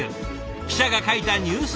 記者が書いたニュース